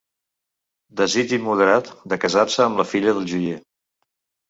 Desig immoderat de casar-se amb la filla del joier.